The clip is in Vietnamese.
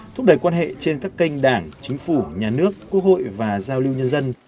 thúc đẩy quan hệ trên các kênh đảng chính phủ nhà nước quốc hội và giao lưu nhân dân